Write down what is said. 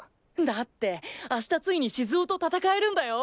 だって明日ついに静雄と戦えるんだよ？